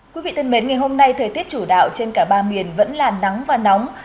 quý vị thân mến ngày hôm nay thời tiết chủ đạo trên cả ba miền vẫn là nắng và nóng